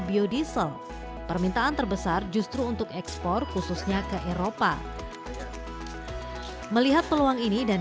biodiesel permintaan terbesar justru untuk ekspor khususnya ke eropa melihat peluang ini dan